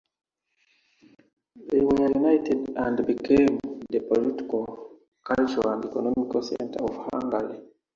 They were united and became the political, cultural and economical centre of Hungary.